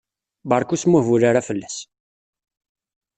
Berka ur smuhbul ara fell-as!